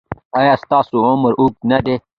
ایا ستاسو عمر اوږد نه دی؟